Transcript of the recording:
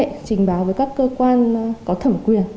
trình báo với các cơ quan có thẩm quyền